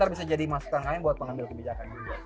biar bisa jadi masukan kalian buat pengambil kebijakan juga